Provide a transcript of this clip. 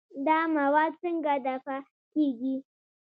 دا مواد څنګه دفع کېږي؟